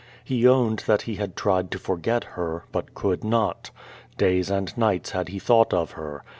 He owned that he had tried to forget her, but could not. Days and nights had he thought of her.